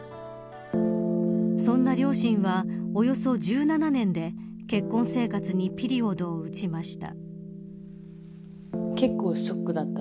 そんな両親は、およそ１７年で結婚生活にピリオドを打ちました。